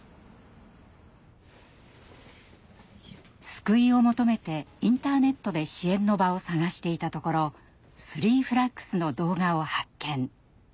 救いを求めてインターネットで支援の場を探していたところＴＨＲＥＥＦＬＡＧＳの動画を発見。